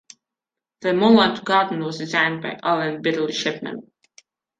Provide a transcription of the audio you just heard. The Moonlight garden was designed by Ellen Biddle Shipman.